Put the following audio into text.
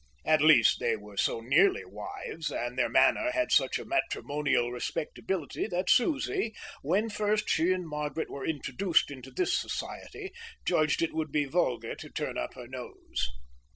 At least, they were so nearly wives, and their manner had such a matrimonial respectability, that Susie, when first she and Margaret were introduced into this society, judged it would be vulgar to turn up her nose.